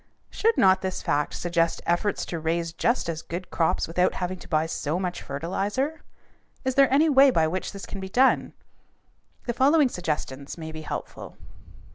Should not this fact suggest efforts to raise just as good crops without having to buy so much fertilizer? Is there any way by which this can be done? The following suggestions may be helpful.